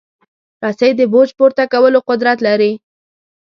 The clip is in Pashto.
رسۍ د بوج پورته کولو قدرت لري.